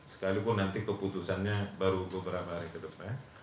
sekalipun nanti keputusannya baru beberapa hari ke depan